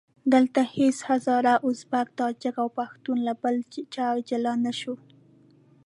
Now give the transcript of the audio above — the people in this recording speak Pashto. دلته هېڅ هزاره، ازبک، تاجک او پښتون له بل چا جلا نه شو.